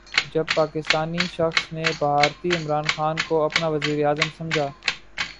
جب پاکستانی شخص نے بھارتی عمران خان کو اپنا وزیراعظم سمجھا